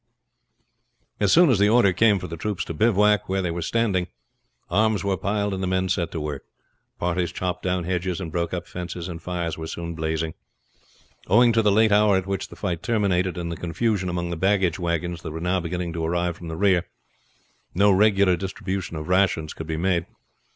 As soon as the order came for the troops to bivouac where they were standing, arms were piled and the men set to work. Parties chopped down hedges and broke up fences, and fires were soon blazing. Owing to the late hour at which the fight terminated, and the confusion among the baggage wagons that were now beginning to arrive from the rear, no regular distribution of rations could be made.